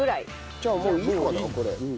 じゃあもういいのかなこれ。